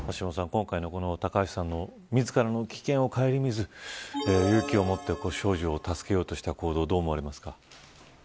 今回の高橋さんの自らの危険を顧みず勇気をもって少女を助けようとした行動どう思われますか。